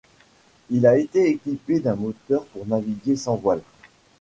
Il a été équipé d'un moteur pour naviguer sans voile.